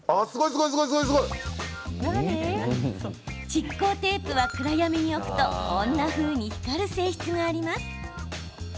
蓄光テープは暗闇に置くとこんなふうに光る性質があります。